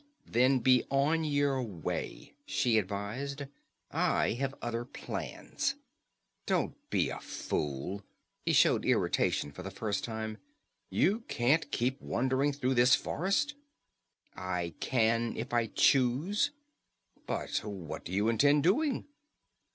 "Then be on your way," she advised. "I have other plans." "Don't be a fool!" He showed irritation for the first time. "You can't keep on wandering through this forest." "I can if I choose." "But what do you intend doing?"